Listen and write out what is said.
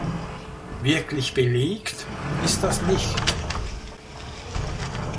Wirklich belegt ist das nicht.